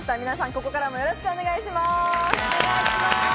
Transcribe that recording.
皆さん、ここからもよろしくお願いします。